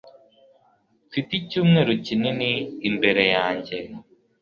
Mfite icyumweru kinini imbere yanjye